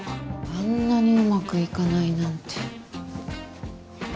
あんなにうまくいかないなんて。